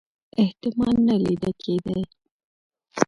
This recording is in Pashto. احتمال نه لیده کېدی.